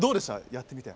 やってみて。